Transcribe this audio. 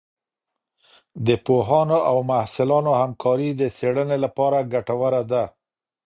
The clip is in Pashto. د پوهانو او محصلانو همکارۍ د څېړنې لپاره ګټوره ده.